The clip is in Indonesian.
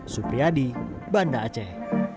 supriyadi banda aceh